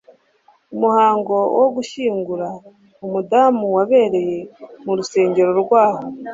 Umuhango wo gushyingura umudamu wabereye mu rusengero rwaho.